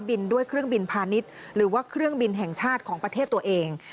ด้วยเครื่องบินพาณิชย์หรือว่าเครื่องบินแห่งชาติของประเทศตัวเอง